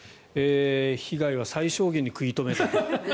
被害者最小限に食い止めた。